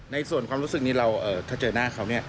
ในส่วนความรู้สึกนี้ถ้าเจอหน้าเขา